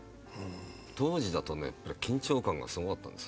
当時だとね緊張感がすごかったんです。